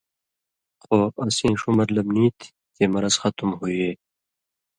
خو اسیں ݜُو مطلب نی تھی چے مرض ختم ہُوئیے